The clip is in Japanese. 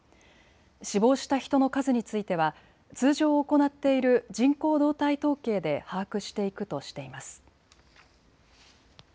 死亡した人の数については通常行っている人口動態統計で把握していくとしています。